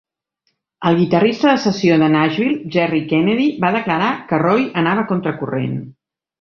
El guitarrista de sessió de Nashville, Jerry Kennedy, va declarar que Roy anava contracorrent.